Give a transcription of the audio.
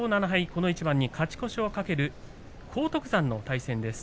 この一番に勝ち越しを懸ける荒篤山の対戦です。